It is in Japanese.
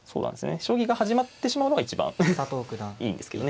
将棋が始まってしまうのが一番いいんですけどね。